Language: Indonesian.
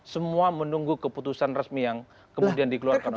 semua menunggu keputusan resmi yang kemudian dikeluarkan oleh